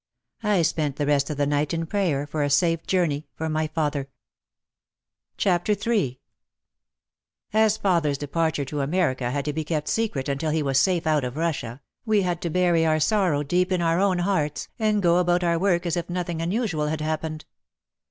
I spent the rest of the night in prayer for a safe journey for my father. OUT OF THE SHADOW 15 III As father's departure to America had to be kept secret until he was safe out of Russia, we had to bury our sor row deep in our own hearts, and go about our work as if nothing unusual had happened.